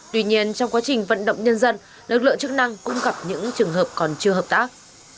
tuy nhiên trong quá trình vận động nhân dân lực lượng chức năng cũng gặp những trường hợp còn chưa hợp tác